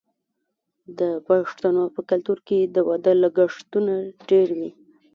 د پښتنو په کلتور کې د واده لګښتونه ډیر وي.